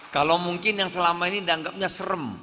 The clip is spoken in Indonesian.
kalau mungkin yang selama ini dianggapnya serem